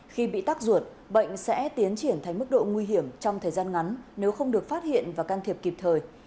khi bị tắc ruột bệnh sẽ tiến triển thành mức độ nguy hiểm trong thời gian ngắn nếu không được phát hiện và can thiệp kịp thời